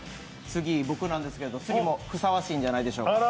次、僕なんですけど、次もふさわしいんじゃないでしょうか。